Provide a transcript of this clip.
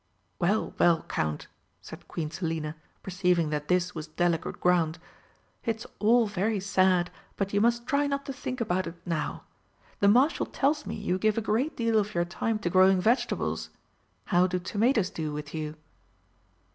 "Well, well, Count," said Queen Selina, perceiving that this was delicate ground, "it's all very sad, but you must try not to think about it now. The Marshal tells me you give a great deal of your time to growing vegetables. How do tomatoes do with you?"